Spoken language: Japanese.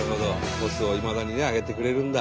トスをいまだにねあげてくれるんだ。